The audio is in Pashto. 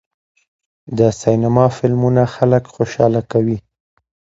د سینما فلمونه خلک خوشحاله کوي.